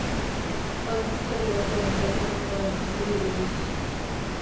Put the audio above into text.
Aldizkari batean irakurri nuen zuri buruz.